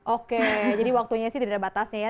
oke jadi waktunya sih tidak ada batasnya ya